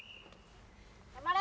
頑張れ！